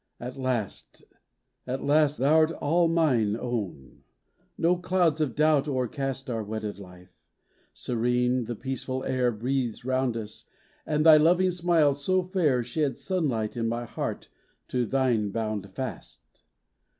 At last, at last Thou'rt all mine own! — No clouds of doubt o'ercast Our wedded life; serene the peaceful air Breathes round us and thy loving smile so fair Sheds sunlight in my heart to thine bound fast.